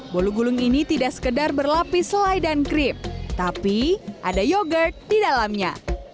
bolu gulung ini tidak sekedar berlapis selai dan krip tapi ada yogurt di dalamnya